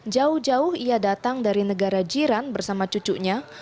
jauh jauh ia datang dari negara jiran bersama cucunya